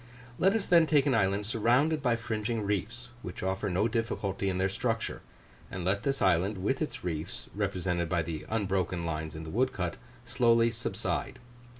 Let us then take an island surrounded by fringing reefs, which offer no difficulty in their structure; and let this island with its reefs, represented by the unbroken lines in the woodcut, slowly subside.